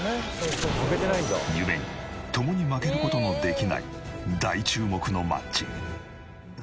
故に共に負ける事のできない大注目のマッチ。